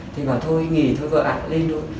thì bảo thôi nghỉ thôi vợ ạp lên luôn